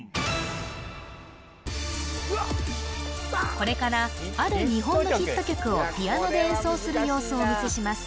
これからある日本のヒット曲をピアノで演奏する様子をお見せします